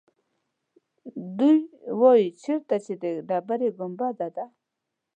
دوی وایيچېرته چې د ډبرې ګنبده ده.